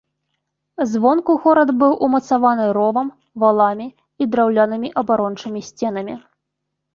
Звонку горад быў умацаваны ровам, валамі і драўлянымі абарончымі сценамі.